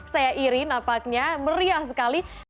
saya iri napaknya meriah sekali